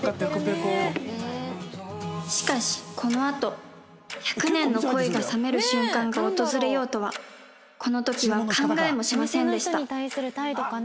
しかしこのあと１００年の恋が冷める瞬間が訪れようとはこの時は考えもしませんでした